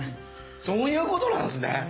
そういうことなんすね。